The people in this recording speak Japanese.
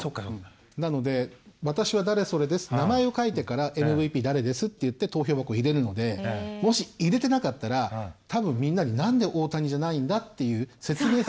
なので私は誰それですって名前を書いてからＭＶＰ誰ですっていって投票箱入れるのでもし入れてなかったらたぶんみんなになんで大谷じゃないんだっていう説明責任を問われますからね。